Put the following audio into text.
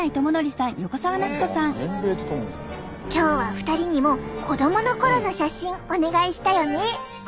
今日は２人にも子どものころの写真お願いしたよね。